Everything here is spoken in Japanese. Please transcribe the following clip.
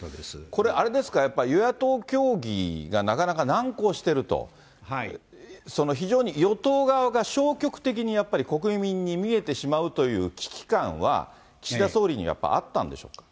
これ、あれですか、やっぱり与野党協議がなかなか難航してると、非常に与党側が消極的にやっぱり国民に見えてしまうという危機感は、岸田総理にやっぱあったんでしょうか。